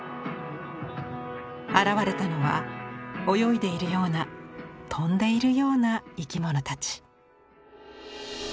現れたのは泳いでいるような飛んでいるような「いきもの」たち。